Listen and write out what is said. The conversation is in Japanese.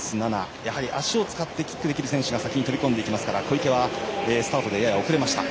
やはり足を使ってキックをできる選手が先に飛び込んでいきますから小池はスタートでややおくれました。